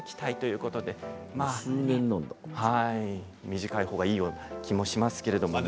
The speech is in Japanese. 短い方がいいような気がしますけれど。